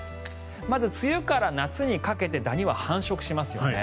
まず梅雨から夏にかけてダニは繁殖しますよね。